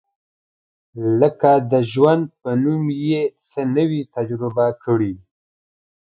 لکه د ژوند په نوم یې څه نه وي تجربه کړي.